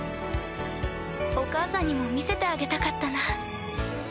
お母さんにも見せてあげたかったな。